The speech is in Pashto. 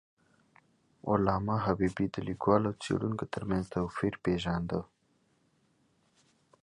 علامه حبيبي د لیکوال او څیړونکي تر منځ توپیر پېژنده.